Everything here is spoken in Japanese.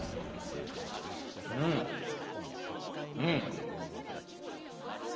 うんうん！